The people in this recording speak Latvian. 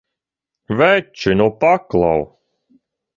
Veči, nu paklau!